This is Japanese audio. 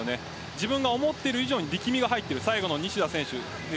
自分が思っている以上に力みが出ているサイドの西田選手